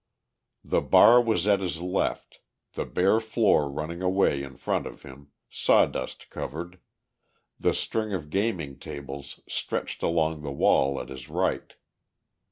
The bar was at his left, the bare floor running away in front of him, sawdust covered, the string of gaming tables stretched along the wall at his right.